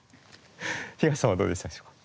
東さんはどうでしたでしょうか？